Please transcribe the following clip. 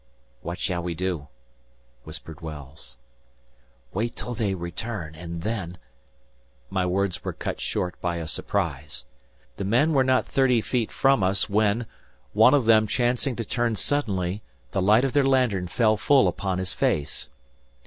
"What shall we do?" whispered Wells. "Wait till they return, and then—" My words were cut short by a surprise. The men were not thirty feet from us, when, one of them chancing to turn suddenly, the light of their lantern fell full upon his face.